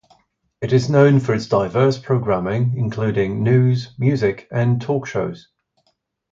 It is known for its diverse programming, including news, music, and talk shows.